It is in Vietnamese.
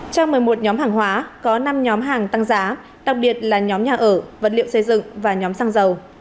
trong một mươi một nhóm hàng hóa có năm nhóm hàng tăng giá đặc biệt là nhóm nhà ở vật liệu xây dựng và nhóm xăng dầu